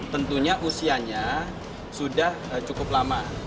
tentunya usianya sudah cukup lama